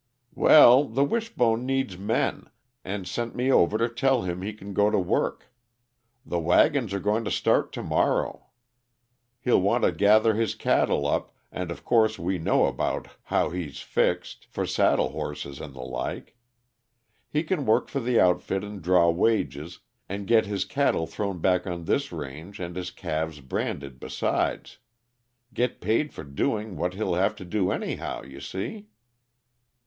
"Well, the Wishbone needs men, and sent me over to tell him he can go to work. The wagons are going to start to morrow. He'll want to gather his cattle up, and of course we know about how he's fixed for saddle horses and the like. He can work for the outfit and draw wages, and get his cattle thrown back on this range and his calves branded besides. Get paid for doing what he'll have to do anyhow, you see."